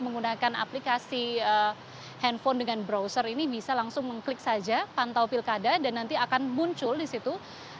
menggunakan aplikasi handphone dengan browser ini bisa langsung mengklik saja pantau pilkada dan nanti akan muncul di situ